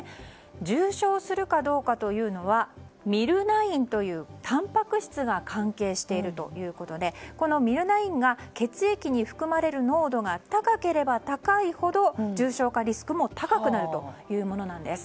重症化するかどうかというのはミルナインというたんぱく質が関係しているということでこのミルナインが血液に含まれる濃度が高ければ高いほど重症化リスクも高くなるというものなんです。